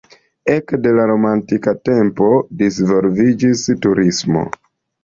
Ekde la romantika tempo disvolviĝis turismo.